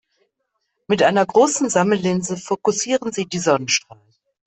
Mit einer großen Sammellinse fokussieren sie die Sonnenstrahlen.